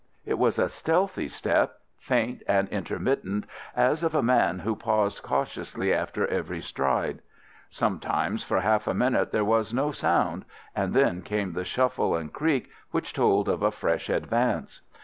It was a stealthy step, faint and intermittent, as of a man who paused cautiously after every stride. Sometimes for half a minute there was no sound, and then came the shuffle and creak which told of a fresh advance.